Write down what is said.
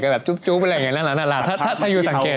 ก็แบบจุ๊บอะไรอย่างนี้น่ารักถ้ายูสังเกต